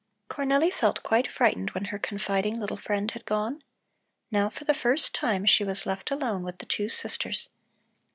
Cornelli felt quite frightened when her confiding little friend had gone. Now for the first time she was left alone with the two sisters.